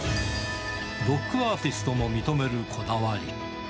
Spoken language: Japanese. ロックアーティストも認めるこだわり。